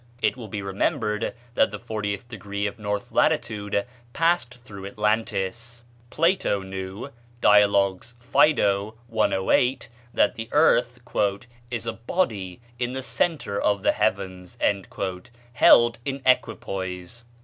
It will be remembered that the fortieth degree of north latitude passed through Atlantis. Plato knew ("Dialogues, Phædo," 108) that the earth "is a body in the centre of the heavens" held in equipoise.